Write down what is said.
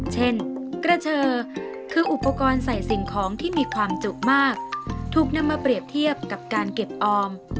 เช่นกระเชอคืออุปกรณ์ใส่สิ่งของที่มีความจุมากถูกนำมาเปรียบเทียบกับการเก็บออม